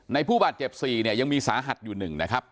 ในผู้บาดเจ็บสี่เนี่ยยังมีสาหัดอยู่หนึ่งนะครับ